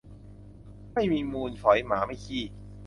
ไม่มีมูลฝอยหมาไม่ขี้